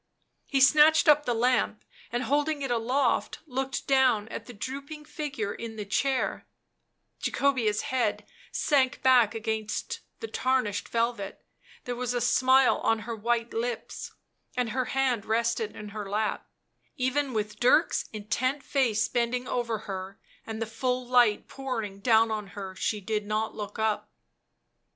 He snatched up the lamp, and, holding it aloft, looked down at the drooping figure in the chair ; Jacobea' s head sank back against the tarnished velvet ; there was a smile on her white lips, and her hands rested in her lap ; even with Dirk's intent face bending over her and the full light pouring down on her, she did not look up.